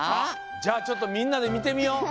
じゃあちょっとみんなでみてみよう。